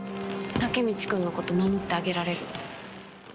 武道君のこと守ってあげられる。